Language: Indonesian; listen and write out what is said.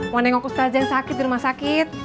wadeng wadeng sakit di rumah sakit